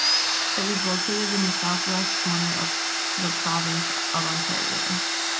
It was located in the southwest corner of the province of Ontario.